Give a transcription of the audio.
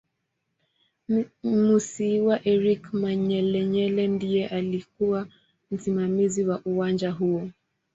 Musiiwa Eric Manyelenyele ndiye aliyekuw msimamizi wa uwanja huo